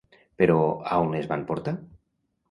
Però a on les van portar?